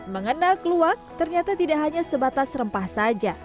mengenal kluwak ternyata tidak hanya sebatas rempah saja